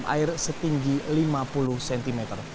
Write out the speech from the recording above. air setinggi lima puluh cm